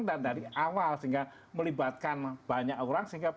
dan dari awal sehingga melibatkan banyak orang